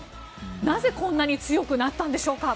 なぜ、こんなに強くなったのでしょうか。